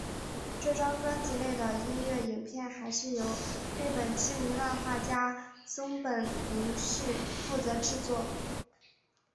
这张专辑内的音乐影片还是由日本知名漫画家松本零士负责制作。